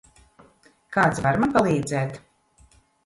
Kāds var man palīdzēt?